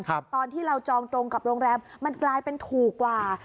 ตอนที่เราจองตรงกับโรงแรมมันกลายเป็นถูกกว่า